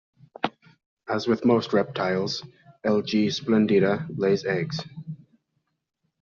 As with most reptiles, "L. g. splendida" lays eggs.